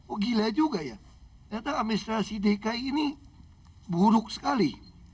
oh gila juga ya ternyata administrasi dki ini buruk sekali